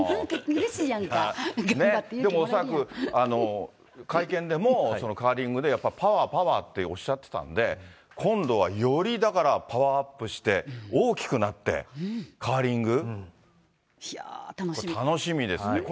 恐らく会見でも、やっぱりパワー、パワーっておっしゃってたんで、今度はよりだからパワーアップして、大きくなって、カーリング、楽しみですね。